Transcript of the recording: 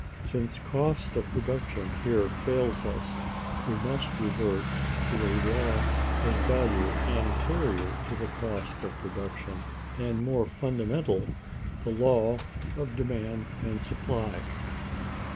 Since cost of production here fails us, we must revert to a law of value anterior to cost of production, and more fundamental, the law of demand and supply.